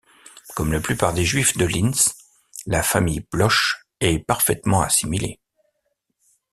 Comme la plupart des Juifs de Linz, la famille Bloch est parfaitement assimilée.